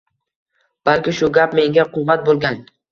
Balki shu gap menga quvvat bo‘lgan